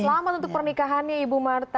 selamat untuk pernikahannya ibu marta